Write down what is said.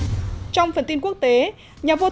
trung tâm phối hợp tìm kiếm cứu nạn hàng hải khu vực ba